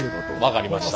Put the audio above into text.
分かりました。